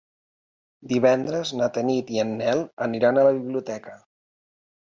Divendres na Tanit i en Nel aniran a la biblioteca.